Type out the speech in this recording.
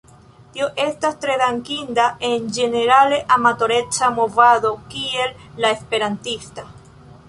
Tio estas tre dankinda en ĝenerale amatoreca movado kiel la esperantista.